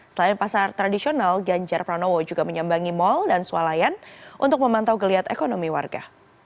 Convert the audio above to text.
selain pasar tradisional ganjar pranowo juga menyambangi mal dan sualayan untuk memantau geliat ekonomi warga